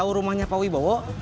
tau rumahnya pak wibowo